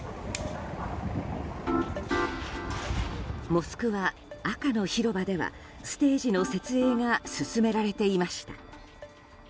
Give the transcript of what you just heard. モスクワ、赤の広場ではステージの設営が進められていました。